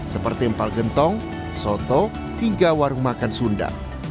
seperti empal gentong soto hingga warung makan sunda